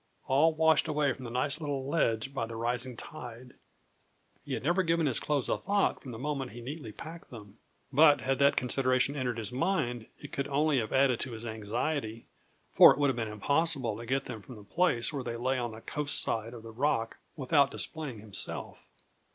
all washed away from the nice little ledge by the rising tide. He had never given his clothes a thought from the moment he neatly packed them. But had that consideration entered his mind, it could only have added to his anxiety: for it would have been impossible to get them from the place where they lay on the coast side of the rock without displaying himself.